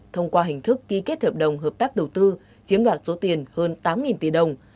thông qua hình thức ký kết hợp đồng hợp tác đầu tư chiếm đoạt số tiền hơn tám tỷ đồng